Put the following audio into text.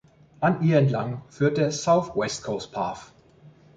An ihr entlang führt der South West Coast Path.